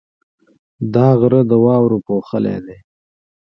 دا غره د واورو پوښلی دی.